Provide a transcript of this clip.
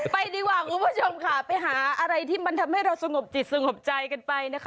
ไปดีกว่าคุณผู้ชมค่ะไปหาอะไรที่มันทำให้เราสงบจิตสงบใจกันไปนะคะ